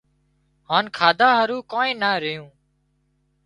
هانَ کاڌا هارو ڪانئين نا ريون